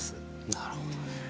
なるほど。